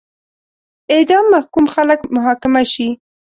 اعدام محکوم خلک محاکمه شي.